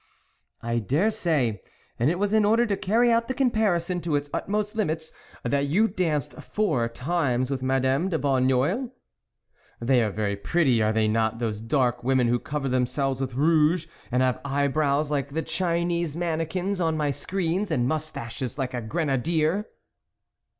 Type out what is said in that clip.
" I daresay, and it was in order to carry out the comparison to its utmost limits that you danced four times with Madame de Bonneuil ; they are very pretty, are they not, those dark women who cover them stiveb with rouge, and have eyebrows like the Chinese mannikins on my screens and moustaches like a grenadier."